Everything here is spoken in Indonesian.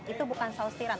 itu bukan saus tiram